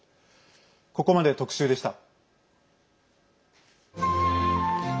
ここまで特集でした。